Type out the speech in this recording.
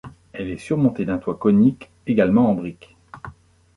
Elle est surmontée d'un toit conique, également en briques.